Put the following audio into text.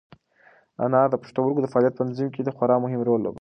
انار د پښتورګو د فعالیت په تنظیم کې خورا مهم رول لوبوي.